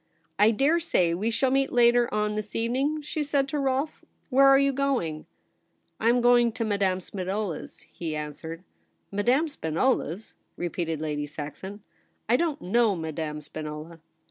' I dare say we shall meet later on this evening,' she said to Rolfe. * Where are you going ?'* I am going to Madame Spinola's,' he answered. ' Madame Spinola's !' repeated Lady Saxon. * I don't know Madame Spinola.'